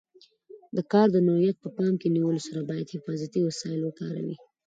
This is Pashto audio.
د کار د نوعیت په پام کې نیولو سره باید حفاظتي وسایل وکاروي.